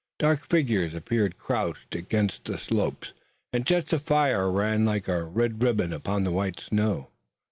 Dark figures appeared crouched against the slopes, and jets of fire ran like a red ribbon upon the white of the snow.